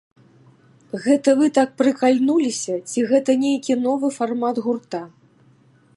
Гэта вы так прыкальнуліся, ці гэта нейкі новы фармат гурта?